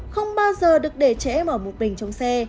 không bao giờ được để trẻ em ở một mình trong xe